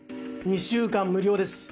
２週間無料です。